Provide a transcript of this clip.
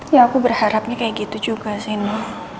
ya aku berharapnya kayak gitu juga sih